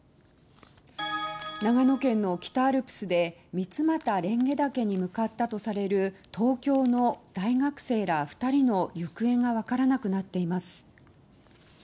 長野県の北アルプスで三俣蓮華岳に向かったとされる東京の大学生ら２人の行方が分からなくなっています。